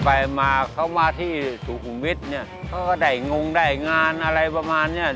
ไปมาเขามาที่สุขุมวิทย์เนี่ยเขาก็ได้งงได้งานอะไรประมาณเนี้ย